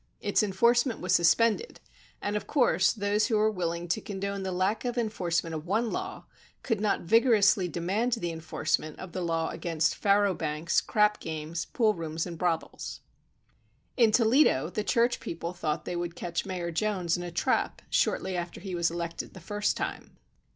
Its enforcement was suspended and of course those who were willing to condone the lack of enforcement of one law could not vigorously demand the enforcement of the law against faro banks, crap games, pool rooms and brothels. In Toledo the church people thought they would catch Mayor Jones in a trap shortly after he was elected the first time.